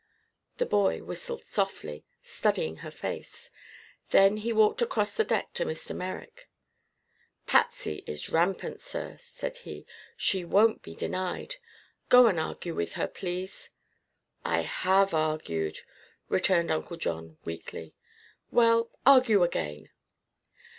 The boy whistled softly, studying her face. Then he walked across the deck to Mr. Merrick. "Patsy is rampant, sir," said he. "She won't be denied. Go and argue with her, please." "I have argued," returned Uncle John weakly. "Well, argue again."